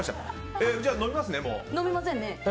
飲みませんね。